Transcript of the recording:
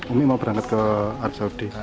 umi mau berangkat ke arab saudi